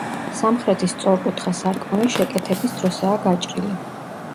სამხრეთის სწორკუთხა სარკმელი შეკეთების დროსაა გაჭრილი.